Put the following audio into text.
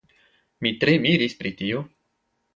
Mi tre miris pri tio.